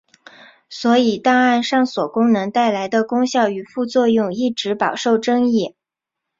所以档案上锁功能带来的功效与副作用一直饱受争议。